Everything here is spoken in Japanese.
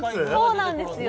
そうなんですよ